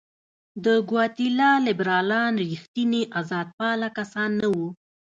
د ګواتیلا لیبرالان رښتیني آزادپاله کسان نه وو.